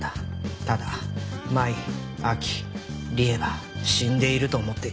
ただ麻衣亜希理恵は死んでいると思っていた。